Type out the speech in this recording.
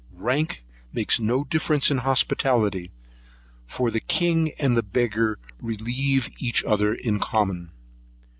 Rank makes no distinction in hospitality; for the king and beggar relieve each other in common.